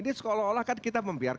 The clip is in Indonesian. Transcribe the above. disekolah olah kan kita membiarkan